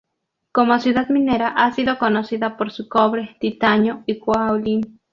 Como ciudad minera ha sido conocida por su cobre, titanio y caolín.